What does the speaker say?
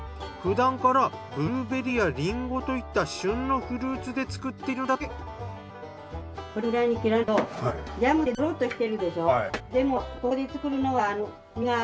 ふだんからブルーベリーやリンゴといった旬のフルーツで作っているんだって。